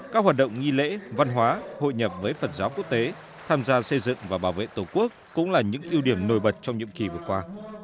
các hoạt động nghi lễ văn hóa hội nhập với phật giáo quốc tế tham gia xây dựng và bảo vệ tổ quốc cũng là những ưu điểm nổi bật trong nhiệm kỳ vừa qua